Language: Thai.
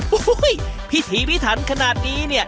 โอ้โฮพิธีพิธรรมขนาดนี้นี่